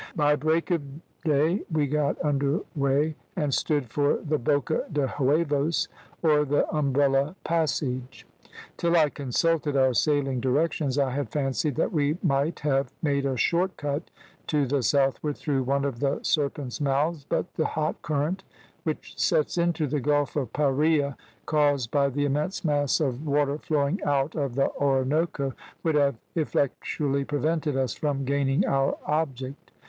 "By break of day we got under weigh and stood for the `Boca de Huevos,' or the Umbrella Passage. Till I consulted our sailing directions I had fancied that we might have made a short cut to the southward through one of the Serpent's Mouths, but the hot current which sets into the Gulf of Paria, caused by the immense mass of water flowing out of the Orinoco, would have effectually prevented us from gaining our object.